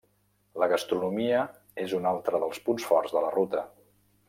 La gastronomia és un altre dels punts forts de la ruta.